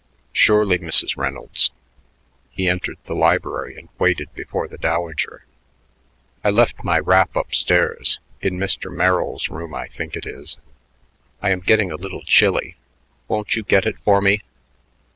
"Surely, Mrs. Reynolds." He entered the library and waited before the dowager. "I left my wrap up stairs in Mr. Merrill's room, I think it is. I am getting a little chilly. Won't you get it for me?"